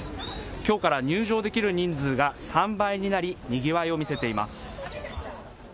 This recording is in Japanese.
きょうから入場できる人数が３倍になりにぎわいを見せています。